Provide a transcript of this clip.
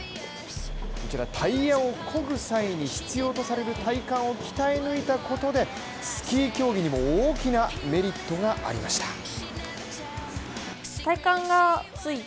こちら、タイヤをこぐ際に必要とされる体幹を鍛え抜いたことでスキー競技にも大きなメリットがありました。